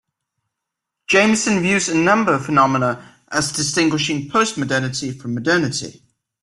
Jameson views a number of phenomena as distinguishing postmodernity from modernity.